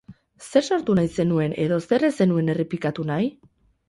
Zer sortu nahi zenuen edo zer ez zenuen errepikatu nahi?